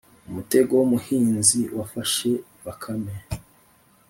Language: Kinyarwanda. umutego w’umuhinzi wafashe bakame.